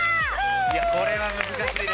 いやこれは難しいね。